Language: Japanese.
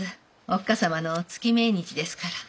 おっ母様の月命日ですから。